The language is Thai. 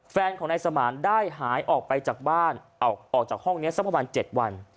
แฟนของนายสมานได้หายออกไปจากบ้านออกจากห้องนี้สักประมาณ๗วัน